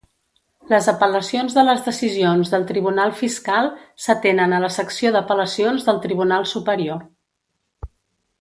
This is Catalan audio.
Les apel·lacions de les decisions del tribunal fiscal s'atenen a la secció d'apel·lacions del tribunal superior.